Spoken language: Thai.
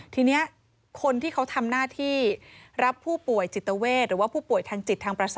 ทีนี้คนที่ทำหน้าที่รับผู้ป่วยจิตเตอร์เวช